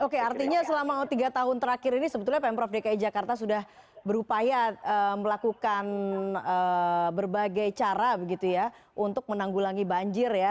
oke artinya selama tiga tahun terakhir ini sebetulnya pemprov dki jakarta sudah berupaya melakukan berbagai cara begitu ya untuk menanggulangi banjir ya